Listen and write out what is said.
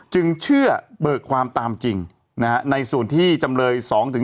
จึงเชื่อเบิกความตามจริงในส่วนที่จำเลย๒๔